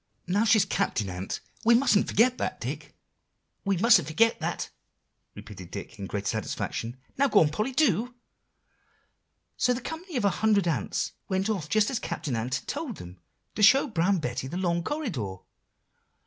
"Now she's Captain Ant; we mustn't forget that, Dicky." "We mustn't forget that," repeated Dick, in great satisfaction. "Now go on, Polly, do." "So the company of a hundred ants went off just as Captain Ant had told them, to show Brown Betty the long corridor."